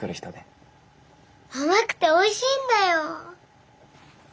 甘くておいしいんだよ。